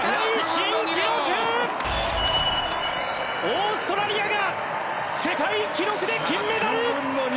オーストラリアが世界記録で金メダル！